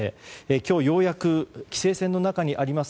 今日ようやく、規制線の中にあります